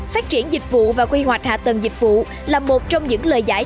phát triển dịch vụ và quy hoạch hạ tầng dịch vụ là một trong những lời giải